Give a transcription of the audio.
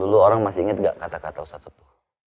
lu orang masih inget gak kata kata ustadz seppu